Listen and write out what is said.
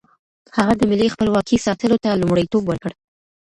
هغه د ملي خپلواکۍ ساتلو ته لومړیتوب ورکړ.